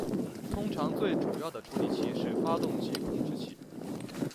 通常最主要的处理器是发动机控制器。